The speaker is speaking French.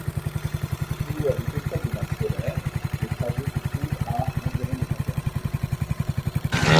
Pour les étoiles de masse solaire, le trajet se trouve à environ de température.